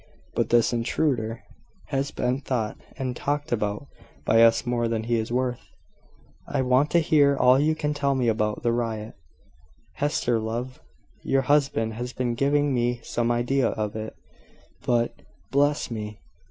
But this intruder has been thought, and talked about, by us more than he is worth. I want to hear all you can tell me about the riot, Hester, love. Your husband has been giving me some idea of it, but... Bless me!